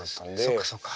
そっかそっか。